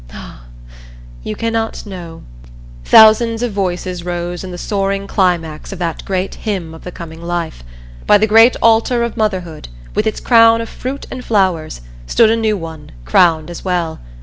Ah! You cannot know!" Thousands of voices rose in the soaring climax of that great Hymn of The Coming Life. By the great Altar of Motherhood, with its crown of fruit and flowers, stood a new one, crowned as well.